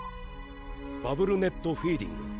バブルネットフィーディング。